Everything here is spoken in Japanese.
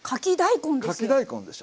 かき大根ですよ！